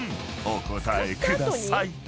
お答えください］